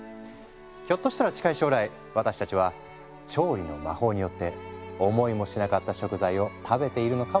ひょっとしたら近い将来私たちは調理の魔法によって思いもしなかった食材を食べているのかもしれないね。